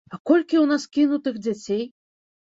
А колькі ў нас кінутых дзяцей?